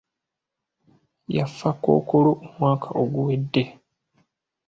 Yafa Kkokolo omwaka oguwedde.